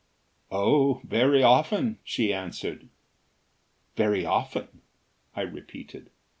"Oh, very often," she answered. "Very often?" I repeated.